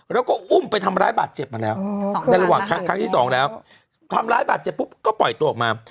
แล้วก็อุ้มไปทำร้ายบาดเจ็บมาแล้วในระหว่างครั้งที่สองแล้วทำร้ายบาดเจ็บปุ๊บก็ปล่อยตัวออกมา